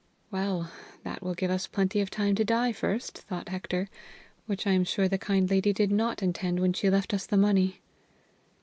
"Well, that will give us plenty of time to die first," thought Hector, "which I am sure the kind lady did not intend when she left us the money."